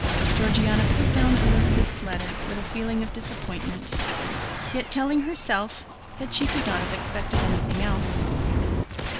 Georgiana put down Elizabeth's letter with a feeling of disappointment, yet telling herself that she could not have expected anything else.